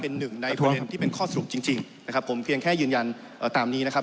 เป็นหนึ่งในเก่าสรุปจริงครับผมเพียงแค่ยืนยันตามนี้นะครับ